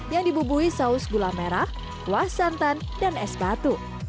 yang dibubuhi saus gula merah kuah santan dan es batu